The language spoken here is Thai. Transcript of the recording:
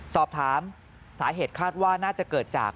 สอบถามสาเหตุคาดว่าน่าจะเกิดจาก